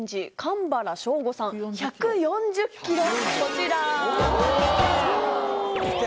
こちら。